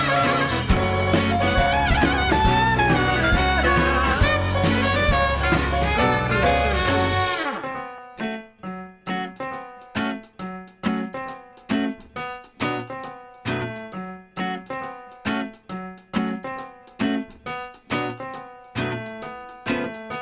เอาละครับตอนนี้ก็พร้อมให้เจอโก๋เหยียวต้มยำหูดุคมูดนนหนี